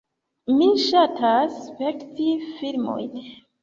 Mi ŝatas spekti filmojn.